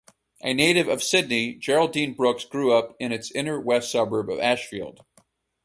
A native of Sydney, Geraldine Brooks grew up in its inner-west suburb of Ashfield.